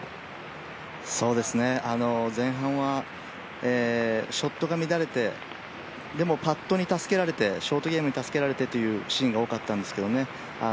前半は、ショットが乱れてでもショートゲームに助けられてというシーンが多かったんですけどね。